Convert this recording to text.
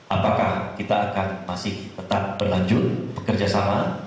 apakah kita akan masih tetap berlanjut bekerja sama